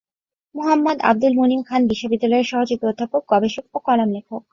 মুহাম্মদ আবদুল মুনিম খান বিশ্ববিদ্যালয়ের সহযোগী অধ্যাপক, গবেষক ও কলাম লেখক।